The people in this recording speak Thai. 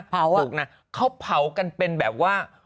สุกนะเขาเผากันเป็นแบบว่า